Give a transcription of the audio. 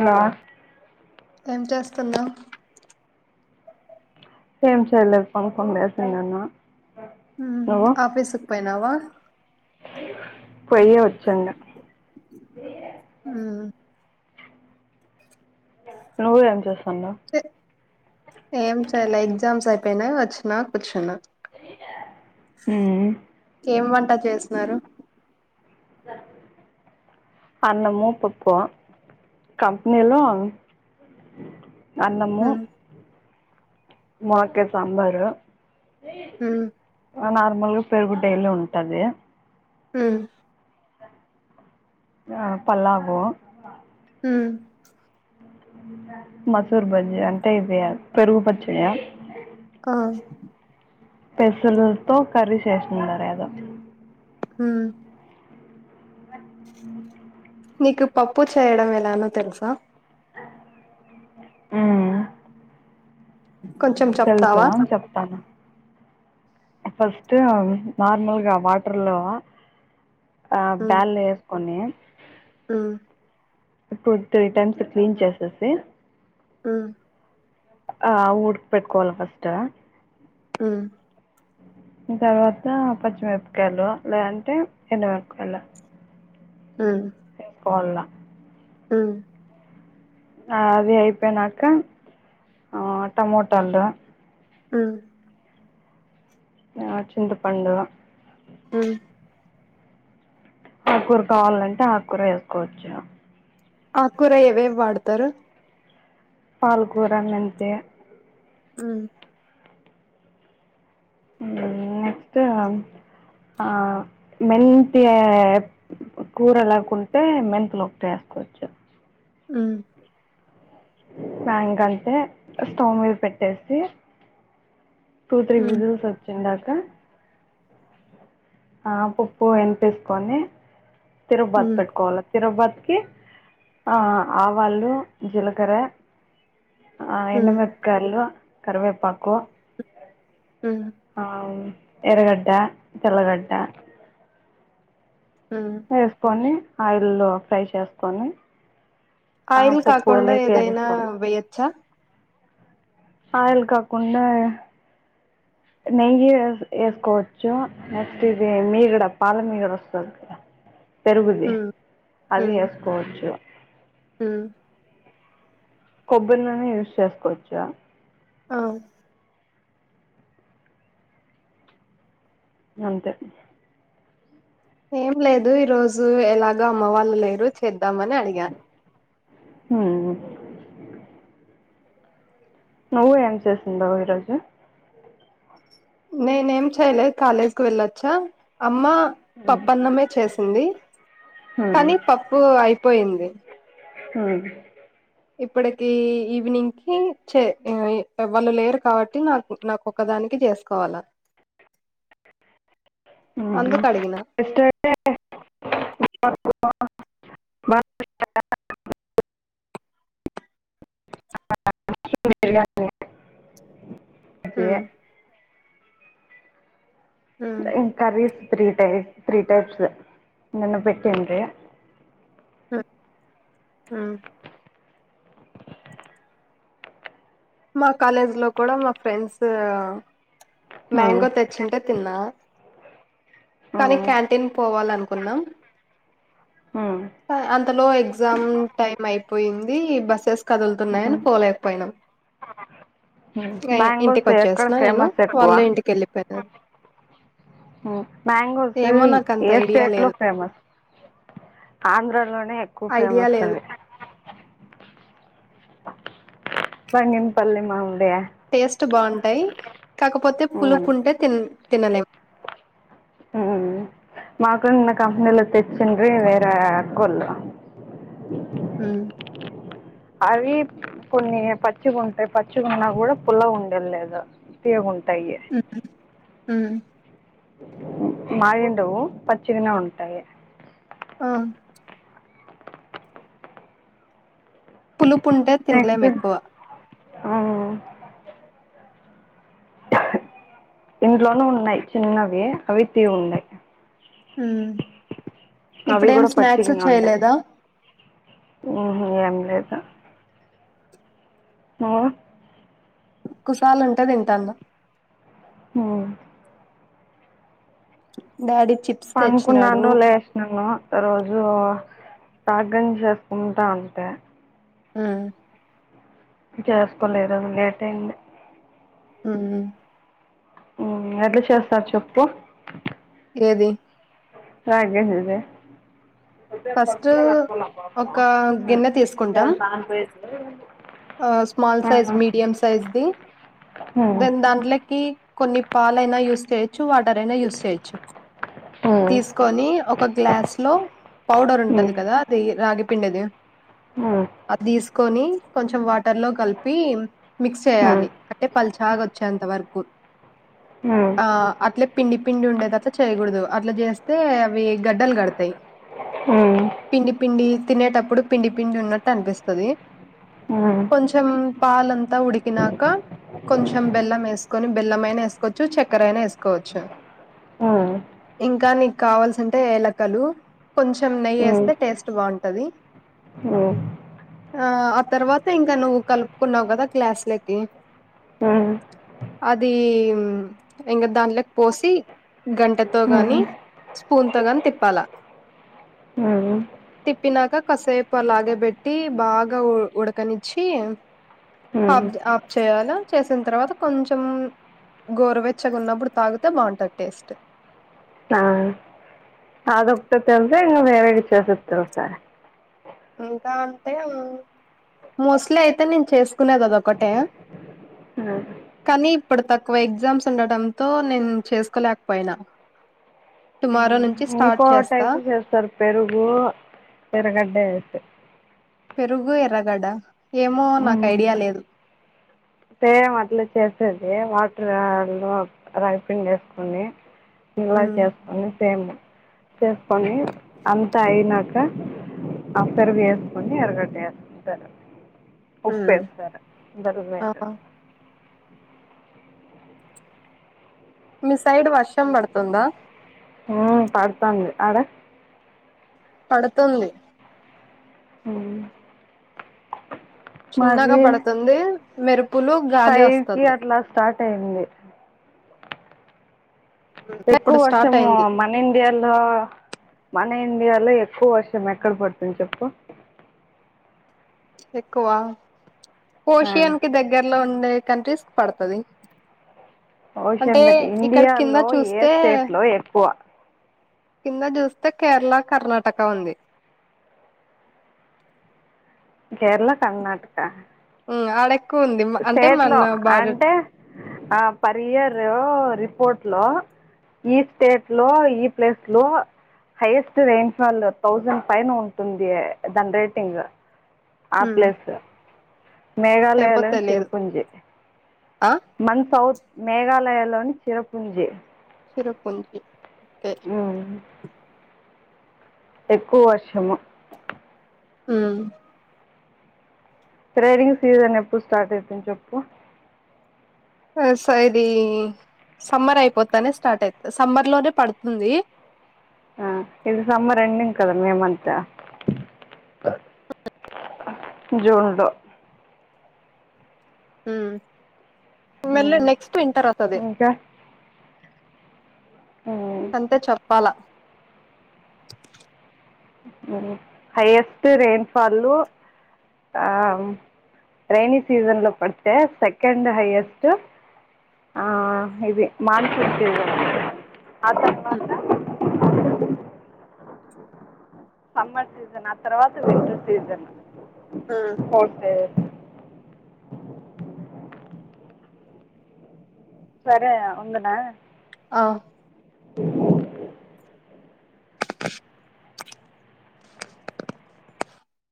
Hello ఏం చేస్తున్నావ్. ఏం చేయలేదు. పండుకొని లేచినన్న. మ్మ్ నువ్వు ఆఫీసుకు పోయినావా పొయ్యే వచ్చిండ. మ్మ్ నువ్వు ఏం చేస్ హలో. ఏ- ఏం చేలే ఎగ్జామ్స్ అయిపోనాయి‌. ఒచ్చిన కూర్చున్న. ఉమ్. పన్ చేస్తున్నారు. అన్నము, పప్పుఆ కంపెనీలో. అన్నము. మ్మ్ ములక్కాయ్ సాంబారు. మ్మ్ ఆ నార్మల్గా పెరుగు డైలీ ఉంటది. ఉమ్. ఆ పల్లాగు. ఉమ్. మసూర్ బజ్జి. అంటే ఇవి పెరుగు పచ్చయ. ఆ పెసల్తో చేస్తున్నారు ఏదో అ నీకు పప్పు చేయడం ఎలానో తెలుసా అ కొంచెం చెప్తావా చెప్తాను ఫస్ట్ నార్మల్గా వాటర్ లో ఆ బౌల్లో వేస్ కొన్ని um two three times clean చేసేసి ఉమ్ ఆ ఊడ్కి పెట్టుకోవాలి ఫస్ట్ ఉమ్ తర్వాత పచ్చిమిరపకాయలు లేదంటే ఎండుమిరపకాయలు ఉమ్ కోవాలా ఉమ్ అది అయిపోనాక టమోటాలు ఉమ్ ఆ చింత పండు ఉమ్ ఆకూర కావాలంటే ఆకూర వేసుకోవచ్చు ఆ కూర ఎవేవీ వాడుతరు పాల్కురా మెంతే ఉమ్ ఉమ్ నెక్స్ట్అ మెంత కూరలాకుంటే మెంతలు ఒకటి వేసుకోవచ్చు ఉమ్ మ్యాంగ్ అంటే స్టవ్ మీద పెట్టేసి టూ త్రీ మ్మ్ విజల్స్ ఒచ్చింద క ఆ పప్పు ఎని తీసుకొని తిరుపతి మ్మ్ పెట్ కోవాలా తిరుబతికి ఆవాళ్ళు జీలకర్ర ఆ ఎండు మ్మ్ మిరపకాయలు కరివేపాకు మ్మ్ అ ఎరగడ్ట్ట తెల్లగడ్డ మ్మ్ వేసుకోని ఆయిల్లో ఫ్రై చేసుకొని ఆ ఆయిల్ పప్పు కాకుండా లేకి ఏదైనా వేసేసుకోవడం వేయచ్చా ఆయిల్ కాకుండా నెయ్యి ఏసుకోవచ్చు నెక్స్ట్ ఇది మీగడ పాల మీగడ వస్తుంది పెరుగుది మ్మ్ అది ఏసుకోవచ్చు ఆ కొబ్బరి నూనె యూస్ చేసుకోవచ్చా అవు నీ అంతే ఏం లేదు ఈ రోజు ఎలాగో అమ్మ వాళ్ళు లేరు చేద్దామని అడిగా అ నువ్ ఏం చేస్తుందో ఈ రోజు నేను ఏం చేయాలె కాలేజ్ కి వెళ్లి అచ్చా అమ్మ హ్మ్ పప్పు అన్నమే చేసింది. హ్మ్ కానీ పప్పు అయిపోయింది. హ ఇప్పటికి ఈవినింగ్ కి చే ఇ వాళ్ళు లేరు కాబట్టి నాకు నాకు ఒకదానికి చేసుకోవాలా ఉహు అందుకు అడిగిన ఎస్టర్ డే బ అకే ఉమ్ ఉమ్ ఇంకా కరీస్ త్రీ టై త్రీ టైప్స్ నన్ను పెటింది ఉ ఉ మా కాలేజ్ లో కూడా మా ఫ్రెండ్స్ హ్మ్ మ్యాంగో తెచ్చింటే తిన్నా కానీ హ్మ్ క్యాంటీన్ పోవాలనుకున్నాం హ్మ్ అంతలో ఎగ్జామ్ టైమ్ అయి పోయింది. బస్సెస్ హ్మ్. కదులుతున్నయని హ్మ్. పోలేకపోయినం మ్యాంగోస్ ఎక్కడ నేను ఫేమస్ చెప్పవా వాళ్ళు ఇంటికి వెళ్ళిపోయినారు మ్యాంగోస్ ఏమో నాకు అంత ఏ ఐడియా స్టేట్ లో లేదు ఫేమస్ ఆంధ్రలోనే ఎక్కువ ఐడియా ఫేమస్ లేదు అవి బంగిన పల్లి మామి జయ స్ట్ బాగుంటాయి. కాకపోతే పులుపు ఉంటే తిన్ తినలేమ్ ఉమ్ మాకున్న కంపెనీలో తెచ్చిండ్రి వేరే అక్కవోల్లు ఉ అవి కొన్ని పచ్చిగుంటాయి. పచ్చిగున్నా కూడా పుల్లగా ఉండేది లేదు. తీయగున్ టాయే హుమ్ మాగిండవు పచ్చిగానే ఉంటయీ ఆ పులుపు ఉంటే తిన్లేము ఎక్కువ ఆ ఇంట్లోనూ ఉన్నాయ్ చిన్నవి అవి తీగుండాయ్ హుమ్ అవి కూడ పచ్చి గనే ఉండేది హు హుమ్ ఏం లేదు మవ కుసాలు ఉంటే దింటన్నా హుమ్ డాడి పనుకున్నాను లేసినను రోజ్ రో రాగ్ గంజ్ చేసుకుంటా అంతే హుమ్ చేసుకోలేదు లేట్ అయింది హుమ్ హుమ్ ఎట్ల చేస్తర్ చెప్పు ఏది రాగెంజిద ఫస్టు ఒకా గిన్నె తీసుకుంటాం ఆ స్మాల్ సైజ్ మీడియం సైజ్ది దెన్ దాంట్లకి అదైనా యూస్ చ్చు తీసుకొని ఒక గ్లాస్ లో పౌడర్ ఉంటది కదా అది రాగి పిండిది అద్ తీసుకొని కొంచెం వాటర్ లో కలిపీ మిక్స్ చేయాలి అంటే పలుచాగ వచ్చేంత వరకు ఆ అట్లే పిండి పిండి ఉండేదట్లా చేయకూడదు అట్లా చేస్తే అవి గడ్డ కడతాయ్ పిండి పిండి తినేటప్పుడు పిండి పిండి ఉన్నట్టు అనిపిస్తది కొంచెం పాలంతా ఉడికినాక కొంచెం బెల్లం ఏసుకొని బెల్లం అయినా వేసుకోవచ్చు చక్కెర అయినా వేసుకోవచ్చు ఇంకా నీకు కావాల్సింటే ఏలకలు కొంచెం నెయ్యేస్తే టేస్ట్ బాగుంటది హుమ్ ఆ ఆ తర్వాత ఇంకా నువ్వు కలుపుకున్నావ్ కదా గ్లాస్ లకి అదీ హుమ్ ఇంక దాంట్లకి పోసి గంట తో గాని స్పూన్ త గాని తిప్పలా తిప్పినాక కసేపు అలాగే పెట్టీ బాగా ఉ ఉడకనిచ్చి హప్ ఆఫ్ చేయాల చేసిన తర్వాత కొంచెం గోరవెచ్చగున్నప్పుడు తాగితే బాగుంటది టేస్ట్ ఆ అదొక్కతెల్తే ఇన్ వేరేవి చేసేస్తరు ఇంకా అంటే హుమ్ మోస్ట్లీ అయితే నేను చేసుకునేది అదొదకటే కానీ ఇప్పుడు తక్కువ ఎగ్జామ్స్ ఉండటంతో నేను చేసుకోలేకపోయినా టుమారో ను ఇంకో టైపు చేస్తరు పెరుగూ ఎరుగడ్డే స పెరుగు ఎర్రగడ్డ ఏమో నాకు ఐడియా లేదు. సేమ్ అట్ల చేసేది వాటర్లో రైపింగ్ వేసుకొని ఇలా ఉమ్, చేసుకొండి సేమ్ చేసుకొని అంతా అయినాక ఆ పెరుగు ఏసుకొని ఎర్రగడ్డ ఏసుకుంటారు. ఉమ్. ఉప్పేస్తారు దరుమే ఆ మీ సైడ్ వర్షం పడుతుందా. ఊ పడుతాంది. అడ పడుతుంది. ఉమ్ చిన్నగా పడుతుంది మెరుపులు గాలి ఫైవ్కి వస్తుంది. అట్లా స్టార్ట్ అయింది ఎక్కువ ఇప్పుడు స్టార్ట్ వర్షమూ అయింది మన ఇండియాలో మన్ మన ఇండియాలో ఎక్కువ వర్షం ఎక్కడ పడుతుంది చెప్పుకో. ఎక్కువా ఆ, ఓషన్ కి దగ్గర్లో ఉన్ న్న ఏ కంట్రీస్ పడ్తది. ఓషన్ లకి ఇండియాలో ఏ చూస్తే స్టేట్ లో ఎక్కువ. కింద చూస్తే కేరళ, కర్ణాటకా ఉంది. కేరళా, కర్ణాటకా. ఊ ఆడ ఎక్ స్టేట్ లో అంటే ఆ పర్ ఇయర్. రిపోర్ట్ లో ఈ స్టేట్ లో ఈ ప్లేస్ లో హైయెస్ట్ రైన్ఫాల్ థౌసండ్ పైన ఉంటుంది దాని రేటింగ. ఆ ఉమ్ ప్లేస్ ఏమో మేఘాలయలోని తెలియదు చిరుపుంజి. ఆ మన్ సౌత్ మేఘాలయ అందులోని చిరపుంజి. చిరపుంజి ఒకే ఉమ్. ఎక్కువ వర్షము హ్మ ట్రేడింగ్ సీజన్ ఎప్పుడు స్టార్ట్ అయితుంది చెప్పు. సో సో ఇదీ సమ్మర్ అయిపోతానే స్టార్ట్ అయితది సమ్మర్ లోనే పడుతుంది. ఆ ఇది సమ్మర్ ఎండింగ్ కదా మే మంతా జూన్ లో ఊ మళ్ళీ ఉమ్. నెక్స్ట్ వింటర్ వత్తది. ఉ అంతే చెప్పాలా హైయెస్ట్ రెయిన్ ఫాల్, ఆ రెైనీ సీజన్లో పడితే సెకండ్ హైయెస్ట్ ఇది ఆ ఇది మాన్సూన్ సీజన్. ఆ ఉమ్ తర్వాత సమ్మర్ సీజన్ ఆ తర్వాత వింటర్ సీజన్ ఉమ్, పోతే సరే ఉండన ఆ